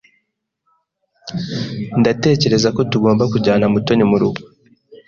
Ndatekereza ko tugomba kujyana Mutoni murugo.